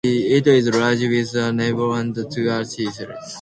It is large, with a nave and two aisles.